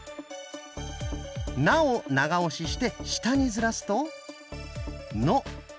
「な」を長押しして下にずらすと「の」。